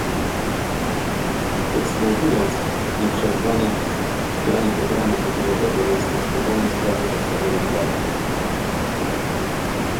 Podsumowując, nieprzerwane wspieranie programu pokojowego jest zdecydowanie sprawą podstawowej wagi